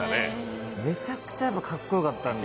めちゃくちゃかっこよかったんで。